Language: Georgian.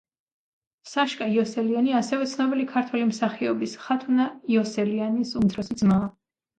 საშკა იოსელიანი ასევე ცნობილი ქართველი მსახიობის, ხათუნა იოსელიანის უმცროსი ძმაა.